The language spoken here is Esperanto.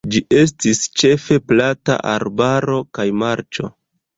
Ĝi estis ĉefe plata arbaro kaj marĉo.